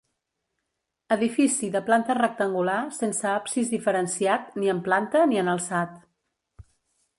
Edifici de planta rectangular sense absis diferenciat ni en planta ni en alçat.